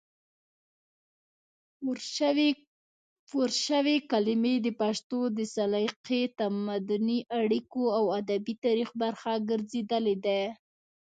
پورشوي کلمې د پښتو د سلیقې، تمدني اړیکو او ادبي تاریخ برخه ګرځېدلې دي،